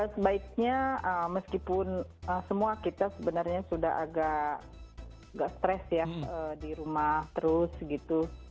sebaiknya meskipun semua kita sebenarnya sudah agak stres ya di rumah terus gitu